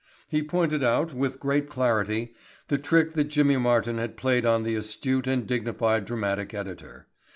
He pointed out, with great clarity, the trick that Jimmy Martin had played on the astute and dignified dramatic editor.